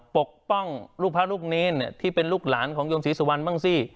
ปกป้องลูกพระลูกเนรที่เป็นลูกหลานของโยมศรีสุวรรณบ้างสิ